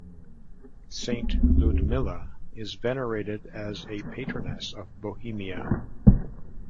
Saint Ludmila is venerated as a patroness of Bohemia.